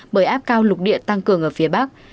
bởi áp cao lục địa tăng cường ở phía bắc